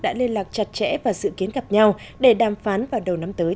đã liên lạc chặt chẽ và dự kiến gặp nhau để đàm phán vào đầu năm tới